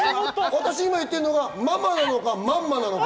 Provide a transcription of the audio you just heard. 私が今言ってるのはママなのか、マンマなのか。